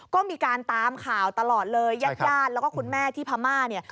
ก็มีการตามข่าวตลอดเลยญาติญาติแล้วก็คุณแม่ที่พม่าเนี่ย